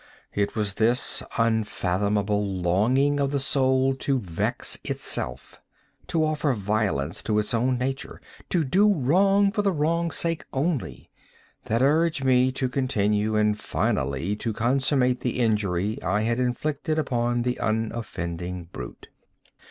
It was this unfathomable longing of the soul to vex itself—to offer violence to its own nature—to do wrong for the wrong's sake only—that urged me to continue and finally to consummate the injury I had inflicted upon the unoffending brute.